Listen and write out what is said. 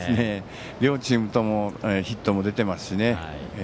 両チームともヒットも出ていますし。